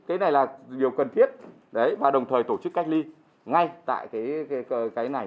cái này là điều cần thiết và đồng thời tổ chức cách ly ngay tại cái này